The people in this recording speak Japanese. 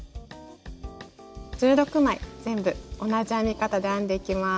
１６枚全部同じ編み方で編んでいきます。